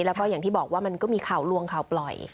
แล้วก็อย่างที่บอกว่ามันก็มีข่าวลวงข่าวปล่อย